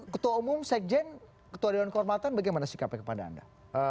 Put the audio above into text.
ketua umum sekjen ketua dewan kehormatan bagaimana sikapnya kepada anda